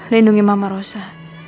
lindungi mama rosa